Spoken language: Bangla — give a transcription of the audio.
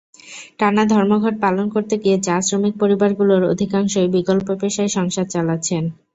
টানা ধর্মঘট পালন করতে গিয়ে চা-শ্রমিক পরিবারগুলোর অধিকাংশই বিকল্প পেশায় সংসার চালাচ্ছেন।